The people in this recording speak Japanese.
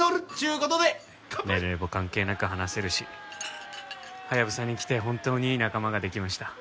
年齢も関係なく話せるしハヤブサに来て本当にいい仲間ができました。